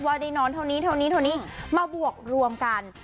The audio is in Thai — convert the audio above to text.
ว่าได้นอนเท่านี้มาบวกรวมกัน